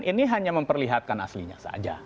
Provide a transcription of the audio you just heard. ini hanya memperlihatkan aslinya saja